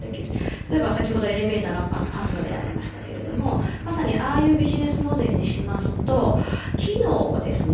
例えば先ほどエレベーターのＰａａＳの例ありましたけれどもまさにああいうビジネスモデルにしますと機能をですね